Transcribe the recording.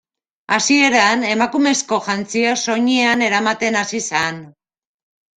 Hasieran emakumezko jantziak soinean eramaten hasi zen.